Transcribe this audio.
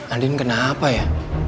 andien kenapa ya